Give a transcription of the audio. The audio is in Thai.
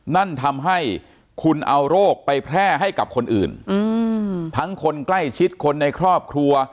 นั่นทำให้คุณเอาโรคไปแพร่ให้กับคนอื่นทั้งคนใกล้ชิดคนในครอบครัว